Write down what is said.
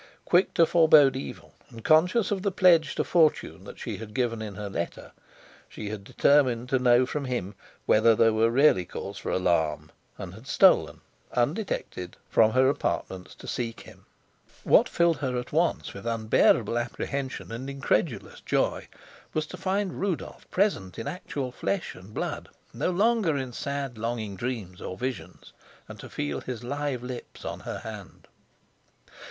Quick to forbode evil, and conscious of the pledge to fortune that she had given in her letter, she had determined to know from him whether there were really cause for alarm, and had stolen, undetected, from her apartments to seek him. What filled her at once with unbearable apprehension and incredulous joy was to find Rudolf present in actual flesh and blood, no longer in sad longing dreams or visions, and to feel his live lips on her hand.